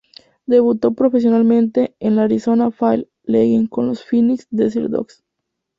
Debutó profesionalmente en la Arizona Fall League con los Phoenix Desert Dogs.